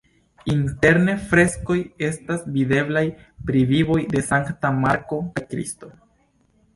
Interne freskoj estas videblaj pri vivoj de Sankta Marko kaj Kristo.